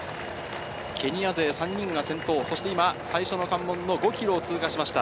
ケニア勢３人が先頭、そして今、最初の関門の５キロを通過しました。